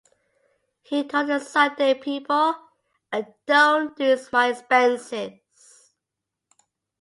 He told the "Sunday People": "I don't do my expenses.